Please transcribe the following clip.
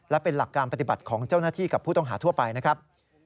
และเป็นหลักการปฏิบัติของเจ้าหน้าที่กับผู้ต้องหาทั่วไปนะครับ